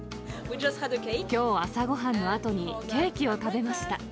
きょう、朝ごはんのあとにケーキを食べました。